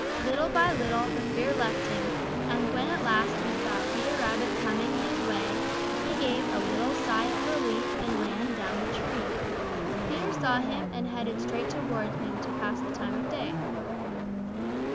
Little by little, the fear left him, and when at last he saw Peter Rabbit coming his way, he gave a little sigh of relief and ran down the tree. Peter saw him and headed straight toward him to pass the time of day.